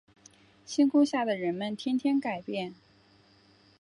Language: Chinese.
星空下的人们天天改变